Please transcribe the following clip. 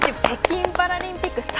北京パラリンピック